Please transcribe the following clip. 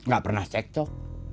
gak pernah seksok